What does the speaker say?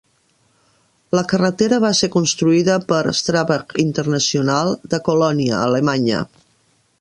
La carretera va ser construïda per Strabag International, de Colònia, Alemanya.